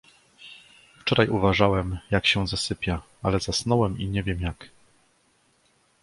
"Wczoraj uważałem, jak się zasypia, ale zasnąłem i nie wiem, jak."